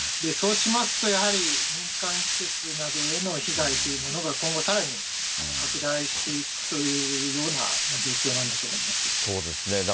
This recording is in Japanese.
そうしますとやはり、民間施設などへの被害というものが今後さらに拡大していくというそうですね。